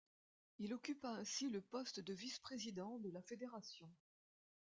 Il occupa ainsi le poste de vice-président de la fédération.